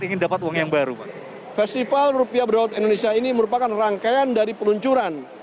ingin dapat uang yang baru festival rupiah berdaulat indonesia ini merupakan rangkaian dari peluncuran